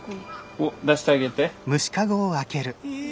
おっ出してあげて。